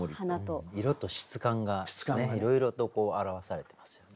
色と質感がいろいろと表されてますよね。